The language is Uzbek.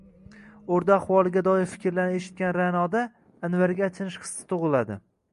O’rda ahvoliga doir fikrlarni eshitgan Ra’noda Anvarga achinish hissi tug’iladi.